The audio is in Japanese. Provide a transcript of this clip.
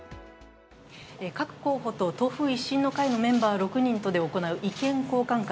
各候補と党風一新の会のメンバー６人とで行う意見交換会。